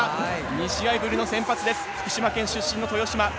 ２試合ぶりの先発の福島県出身の豊島。